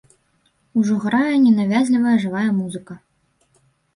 Ужо грае ненавязлівая жывая музыка.